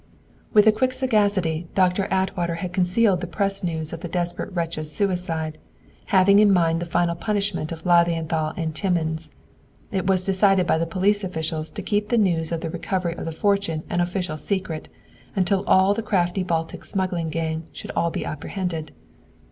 With a quick sagacity, Doctor Atwater had concealed the press news of the desperate wretch's suicide, having in mind the final punishment of Lilienthal and Timmins. It was decided by the police officials to keep the news of the recovery of the fortune an official secret until all the crafty Baltic smuggling gang should all be apprehended.